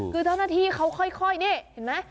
คือเจ้าหน้าที่เขาค่อยนี่เห็นไหม